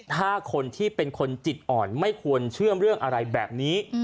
ถ้าคนที่เป็นคนจิตอ่อนไม่ควรเชื่อมเรื่องอะไรแบบนี้